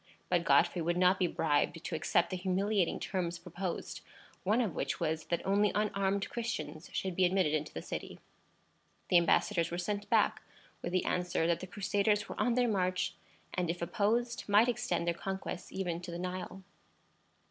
But Godfrey would not be bribed to accept the humiliating terms proposed; one of which was, that only unarmed Christians should be admitted into the city. The embassadors were sent back with the answer that the Crusaders were on their march, and, if opposed, might extend their conquests even to the Nile.